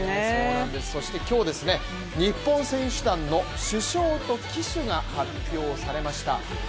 そして今日ですね、日本選手団の主将と旗手が発表されました。